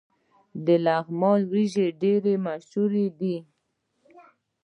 د لغمان وریجې ډیرې مشهورې دي.